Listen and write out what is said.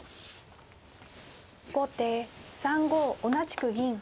後手３五同じく銀。